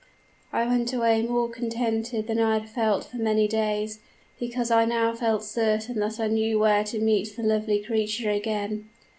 I went away more contented than I had felt for many days, because I now felt certain that I knew where to meet the lovely creature again.